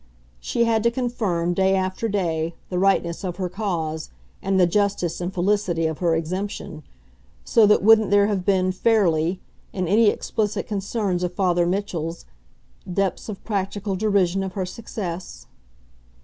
She had to confirm, day after day, the rightness of her cause and the justice and felicity of her exemption so that wouldn't there have been, fairly, in any explicit concern of Father Mitchell's, depths of practical derision of her success?